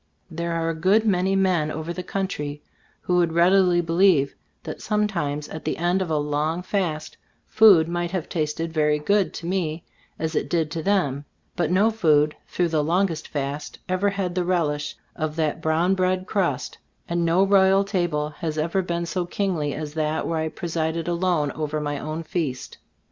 There are a good many men over the country who would readily be lieve that sometimes, at the end of a long fast, food might have tasted very good to me, as it did to them; but no food through the longest fast, ever had the relish of that brown bread 38 XLbe Storg of As Cbttoboofc crust; and no royal table has ever been so kingly as that where I pre sided alone over my own feast.